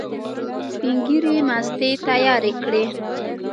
سپین ږیري مستې تیارې کړې.